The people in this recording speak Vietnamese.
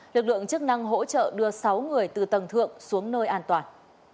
lực lượng chức năng hỗ trợ đưa sáu người từ tầng thượng xuống nơi an toàn